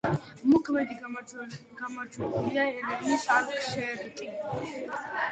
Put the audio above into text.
მოქმედი გამარჯვებულია ერევნის „ალაშკერტი“.